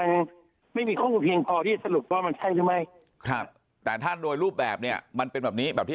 นี้แบบที่อาจารย์ปริญญาบอก